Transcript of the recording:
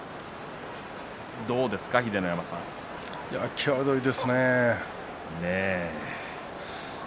際どいですね。